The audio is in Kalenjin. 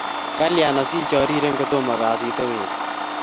Kalyan asichariren ko tomo kasit ooh weri